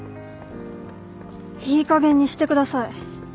いいかげんにしてください。